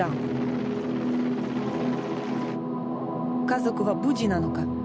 家族は無事なのか。